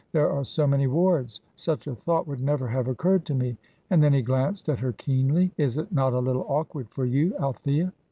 "There are so many Wards. Such a thought would never have occurred to me." And then he glanced at her keenly. "Is it not a little awkward for you, Althea?"